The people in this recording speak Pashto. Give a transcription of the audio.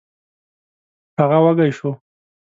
هغه وږی شو.